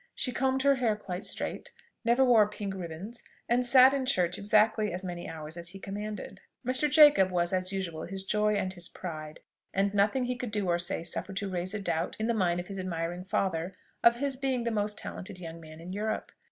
She combed her hair quite straight, never wore pink ribands, and sat in church exactly as many hours as he commanded. Mr. Jacob was, as usual, his joy and his pride; and nothing he could do or say sufficed to raise a doubt in the mind of his admiring father of his being the most talented young man in Europe.